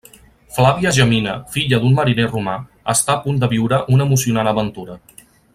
Flàvia Gemina, filla d'un mariner romà, està a punt de viure una emocionant aventura.